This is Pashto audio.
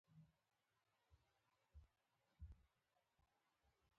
دا سړه هوا د توبې د غره څخه را الوتې وي.